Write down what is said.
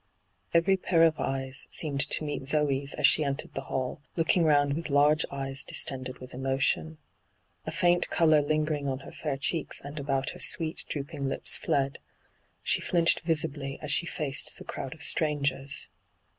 Every pair of eyes seemed to meet Zoe's as she entered the hall, looking round with laige eyes distended with emotion. A faint colour lingering on her fair cheeks and about her sweet, drooping lips fled ; she flinched visibly as she &ced the crowd of strangers.